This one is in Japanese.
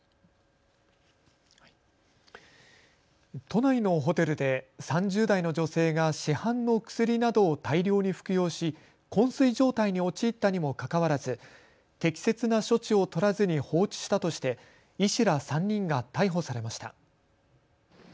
都内のホテルで３０代の女性が市販の薬などを大量に服用しこん睡状態に陥ったにもかかわらず適切な処置を取らずに放置したとして医師ら３人が逮捕されました。